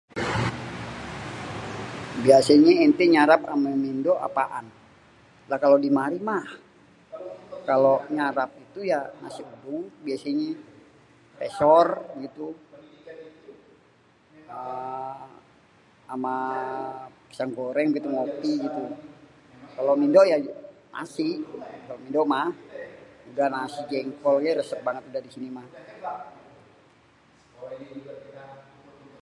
Biasênyé ente nyarap amê mindo apaan? Lah kalo di mari mah, kalo nyarap itu ya, nasi uduk biasênyé, pesor gitu, êê ama pisang goreng gitu, ngopi gitu. Kalo mindo ya, nasi, kalo mindo mah udeh nasi jengkol gé resep banget di sini, mah.